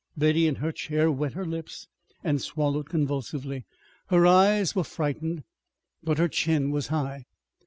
Betty, in her chair, wet her lips and swallowed convulsively. Her eyes were frightened but her chin was high.